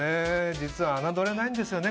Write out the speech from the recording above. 実は侮れないんですよね